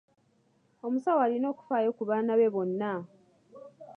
Omusawo alina okufaayo ku baana be bonna.